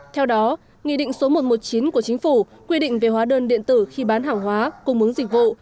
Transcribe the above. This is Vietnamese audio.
theo đó nghị định số một trăm một mươi chín của chính phủ quy định về hóa đơn điện tử khi bán hàng hóa cung ứng dịch vụ